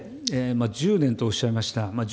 １０年とおっしゃいました。